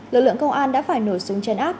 lực lượng công an đã phải nổi súng chân áp